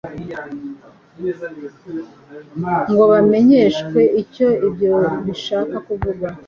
ngo bamenyeshwe icyo ibyo bishaka kuvuga.